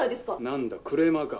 何だクレーマーか？